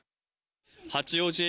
八王子駅